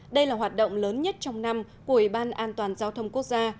đây là hoạt động lớn nhất trong năm của ủy ban an toàn giao thông quốc gia